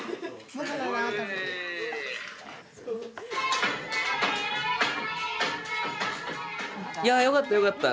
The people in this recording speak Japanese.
頑張れ！いやよかったよかった。